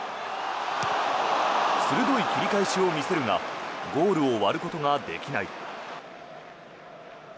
鋭い切り返しを見せるがゴールを割ることができない。